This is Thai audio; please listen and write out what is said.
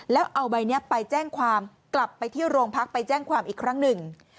แล้วเอาใบนี้ไปแจ้งความกลับไปที่โรงพักไปแจ้งความอีกครั้งหนึ่ง